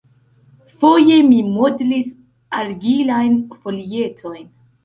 Foje mi modlis argilajn folietojn.